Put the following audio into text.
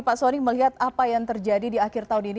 pak soni melihat apa yang terjadi di akhir tahun ini